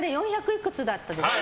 いくつだったでしょ。